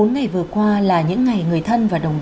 bốn ngày vừa qua là những ngày người thân và đồng bào